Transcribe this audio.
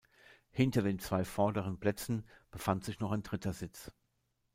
Hinter den zwei vorderen Plätzen befand sich noch ein dritter Sitz.